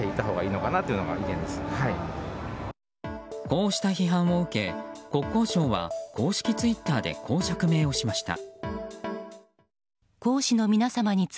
こうした批判を受け国交省は公式ツイッターでこう釈明をしました。